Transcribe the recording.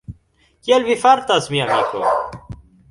Kiel vi fartas, mia amiko?